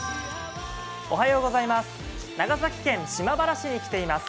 長崎県島原市に来ています。